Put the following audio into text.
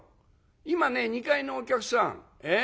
今ね２階のお客さんえ？